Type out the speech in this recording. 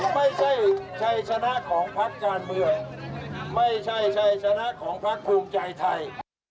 ไม่ใช่ชัยสนับของภาคการเมืองไม่ใช่ชัยสนับของภาคภูมิใจไทย